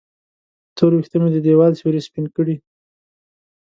تور وېښته مې د دیوال سیورې سپین کړي